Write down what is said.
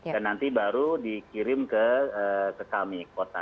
dan nanti baru dikirim ke kami kota